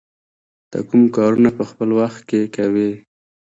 ته کوم کارونه په خپل وخت کې کوې؟